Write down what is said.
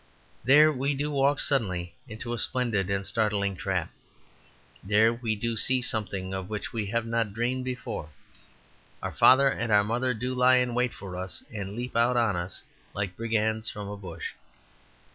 There we do walk suddenly into a splendid and startling trap. There we do see something of which we have not dreamed before. Our father and mother do lie in wait for us and leap out on us, like brigands from a bush.